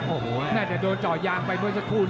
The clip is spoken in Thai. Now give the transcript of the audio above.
โอ้โหน่าจะโดนจ่อยยางไปนั้นสักครู่